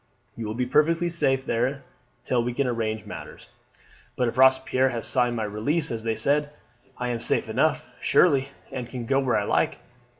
You will be perfectly safe there till we can arrange matters." "But if Robespierre has signed my release, as they said, I am safe enough, surely, and can go where I like."